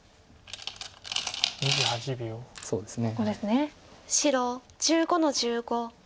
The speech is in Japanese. そうですね